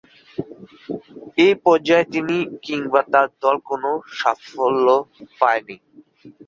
এ পর্যায়ে তিনি কিংবা তার দল কোন সাফল্য পায়নি।